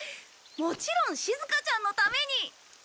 もちろんしずかちゃんのために！